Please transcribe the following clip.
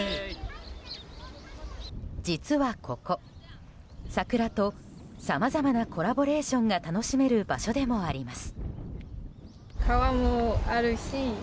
実はここ、桜とさまざまなコラボレーションが楽しめる場所でもあります。